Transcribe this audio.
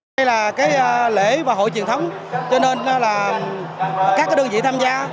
đây là lễ và hội truyền thống cho nên các đơn vị tham gia